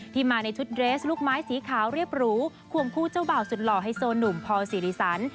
มาในชุดเรสลูกไม้สีขาวเรียบหรูควงคู่เจ้าบ่าวสุดหล่อไฮโซหนุ่มพอสิริสัน